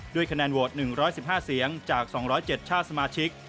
ด้วยคะแนนโวทธ์หนึ่งร้อยสิบห้าเสียงจากสองร้อยเจ็ดชาติสมาชิก